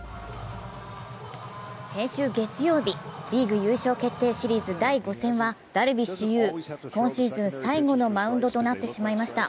先週月曜日、リーグ優勝決定シリーズ第５戦はダルビッシュ有、今シーズン最後のマウンドとなってしまいました。